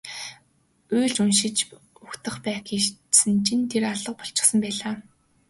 Уйлж унжиж угтах байх гэсэн чинь тэр алга болчихсон байлаа.